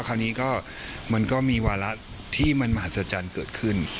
คราวนี้ก็มันก็มีวาระที่มันมหัศจรรย์เกิดขึ้น